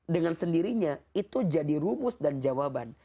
dengan sendirinya itu jadi rumus dan jawaban